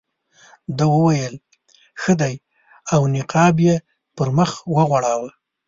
ده وویل ښه دی او نقاب یې پر مخ وغوړاوه.